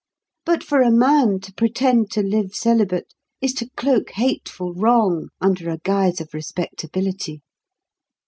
But for a man to pretend to live celibate is to cloak hateful wrong under a guise of respectability.